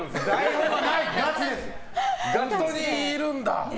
本当にいるんだ。